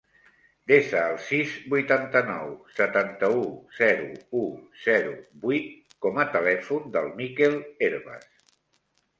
Desa el sis, vuitanta-nou, setanta-u, zero, u, zero, vuit com a telèfon del Mikel Hervas.